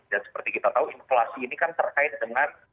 dan seperti kita tahu inflasi ini kan terkait dengan